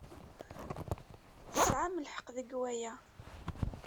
Tesɛam lḥeqq deg waya.